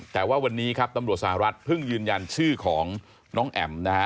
แต่ว่าวันนี้ครับตำรวจสหรัฐเพิ่งยืนยันชื่อของน้องแอ๋มนะฮะ